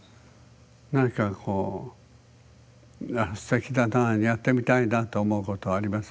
何かこうすてきだなやってみたいなと思うことありません？